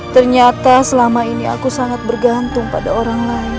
ternyata selama ini aku sangat bergantung pada orang lain